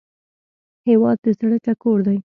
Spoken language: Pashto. هیواد د زړه ټکور دی